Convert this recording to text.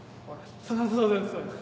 そうそうそうです。